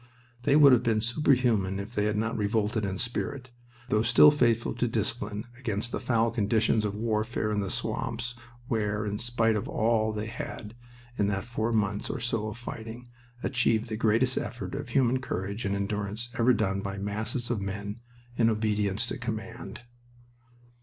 They would have been superhuman if they had not revolted in spirit, though still faithful to discipline, against the foul conditions of warfare in the swamps, where, in spite of all they had, in that four months or so of fighting, achieved the greatest effort of human courage and endurance ever done by masses of men in obedience to command.